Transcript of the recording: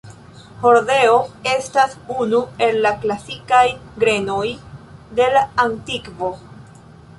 Hordeo estas unu el la klasikaj grenoj de la antikvo.